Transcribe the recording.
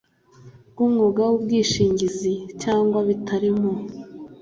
bw umwuga w ubwishingizi cyangwa bitari mu